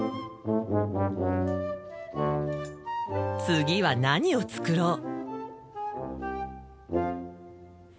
次は何を作ろう？